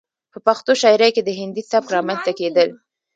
،په پښتو شاعرۍ کې د هندي سبک رامنځته کېدل